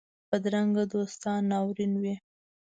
بدرنګه دوستان ناورین وي